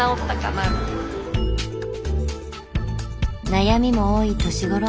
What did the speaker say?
悩みも多い年頃。